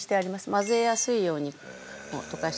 混ぜやすいように溶かして。